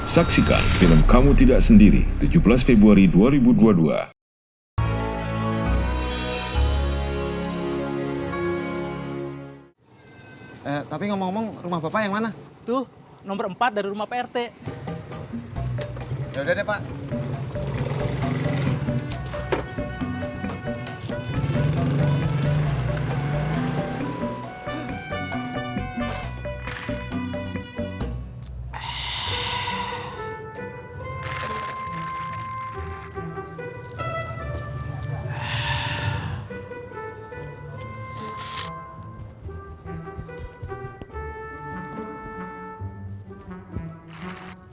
saksikan film kamu tidak sendiri tujuh belas februari dua ribu dua puluh dua